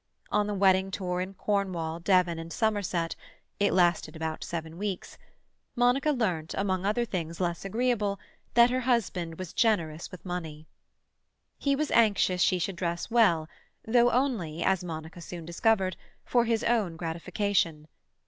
On the wedding tour in Cornwall, Devon, and Somerset—it lasted about seven weeks—Monica learnt, among other things less agreeable, that her husband was generous with money. He was anxious she should dress well, though only, as Monica soon discovered, for his own gratification.